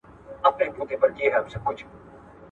هم ښایسته هم په ځان غټ هم زورور دی.